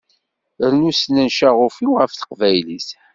Rnu snen ccaɣuf-iw ɣef teqbaylit.